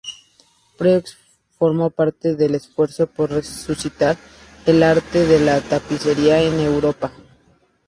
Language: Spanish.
Preux formó parte del esfuerzo por resucitar el arte de la tapicería en Europa.